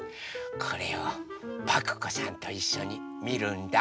これをパクこさんといっしょにみるんだ。